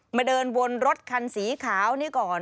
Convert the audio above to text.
เดินวนรถคันสีขาวนี่ก่อน